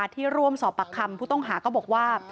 ที่ร่วมสอบปากคำผู้ต้องหาก็บอกว่า